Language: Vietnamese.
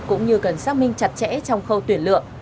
cũng như cần xác minh chặt chẽ trong khâu tuyển lựa